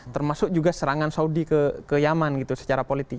termasuk juga serangan saudi ke yaman gitu secara politik